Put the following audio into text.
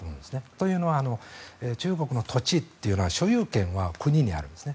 というのは中国の土地というのは所有権は国にあるんです。